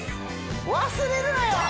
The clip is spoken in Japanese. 忘れるなよ！